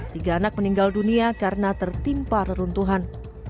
tiga anak meninggal dunia karena tertimpa reruntuhan